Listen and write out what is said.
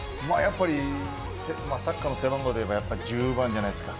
サッカーの背番号でいえば１０番じゃないですか？